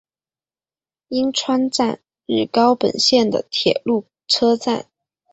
鹉川站日高本线的铁路车站。